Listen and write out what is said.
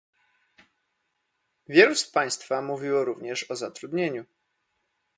Wielu z państwa mówiło również o zatrudnieniu